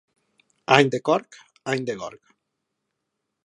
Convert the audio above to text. Any de corc, any de gorg.